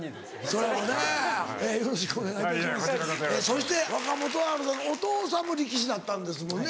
そして若元春のお父さんも力士だったんですもんね。